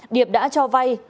điệp đã cho vay